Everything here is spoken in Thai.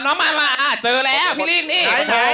น้องมาเจอแล้วพี่ลิงนี่